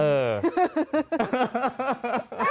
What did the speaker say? เออ